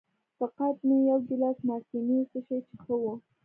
فقط مې یو ګیلاس مارتیني وڅښی چې ښه و.